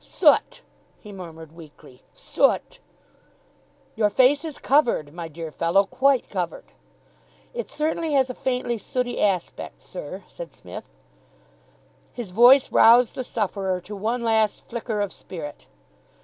"Soot!" he murmured weakly. "Soot!" "Your face is covered, my dear fellow, quite covered." "It certainly has a faintly sooty aspect, sir," said Psmith. His voice roused the sufferer to one last flicker of spirit.